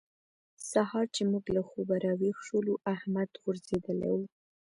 سهار چې موږ له خوبه راويښ شولو؛ احمد غورځېدلی وو.